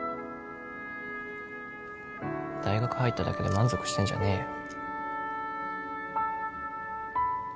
大学入っただけで満足してんじゃねえよ